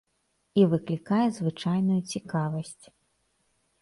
І выклікае звычайную цікавасць.